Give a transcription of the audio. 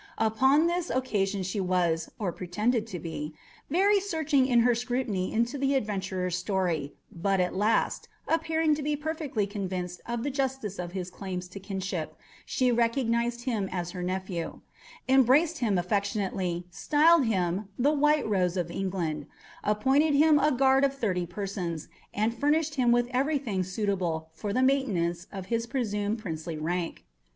Upon this occasion she was, or pretended to be, very searching in her scrutiny into the adventurer's story, but, at last, appearing to be perfectly convinced of the justice of his claims to kinship, she recognized him as her nephew; embraced him affectionately; styled him "The White Rose of England;" appointed him a guard of thirty persons, and furnished him with everything suitable for the maintenance of his presumed princely rank.